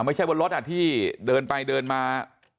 ไม่ใช่บนรถที่เดินไปเดินมา